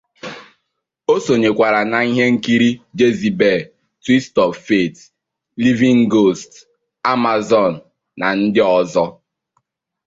O sonyekwara na ihe nkiri "Jezebel", "Twist of Fate", "Living Ghost", "Amazon na" ndị ọzọ.